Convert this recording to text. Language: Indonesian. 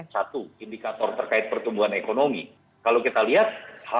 satu indikator terkait pertumbuhan ekonomi kalau kita lihat